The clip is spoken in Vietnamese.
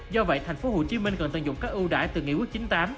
do vậy thành phố hồ chí minh cần tận dụng các ưu đại từ nghị quyết chín mươi tám